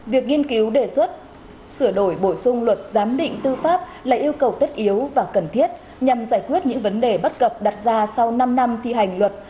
việc nghiên cứu đề xuất sửa đổi bổ sung luật giám định tư pháp là yêu cầu tất yếu và cần thiết nhằm giải quyết những vấn đề bất cập đặt ra sau năm năm thi hành luật